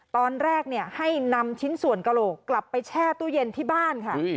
ตอนแรกให้นำชิ้นส่วนกระโหลกกลับไปแช่ตู้เย็นที่บ้านค่ะ